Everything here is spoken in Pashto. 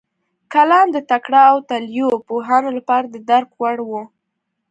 کلام د تکړه او وتلیو پوهانو لپاره د درک وړ و.